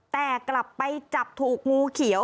แต่กลับไปจับถูกงูเขียว